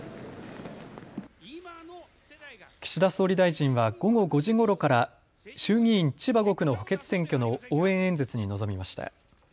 岸田総理大臣は午後５時ごろから衆議院千葉５区の補欠選挙の応援演説に臨みました。